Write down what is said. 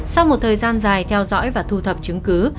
sau một thời gian dài theo dõi và thu thập chứng cứ